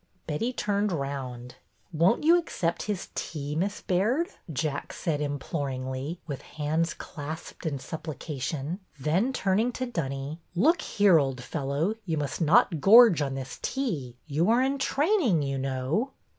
Betty turned round. Won't you accept his tea, Miss Baird? " Jack 232 BETTY BAIRD'S VENTURES said imploringly, with hands clasped in suppli cation; then, turning to Dunny: Look here, old fellow, you must not gorge on this tea. You are in training, you know."